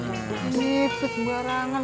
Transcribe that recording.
gini frid barangan